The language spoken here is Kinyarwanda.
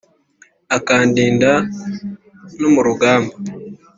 akandinda no mu rugamba